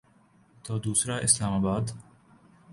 تو دوسرا اسلام آباد۔